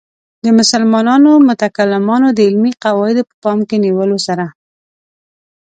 د مسلمانو متکلمانو د علمي قواعدو په پام کې نیولو سره.